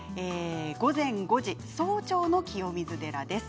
午前５時、早朝の清水寺です。